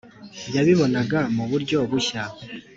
. Yabibonaga mu buryo bushya.